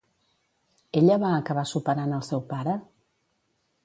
Ella va acabar superant al seu pare?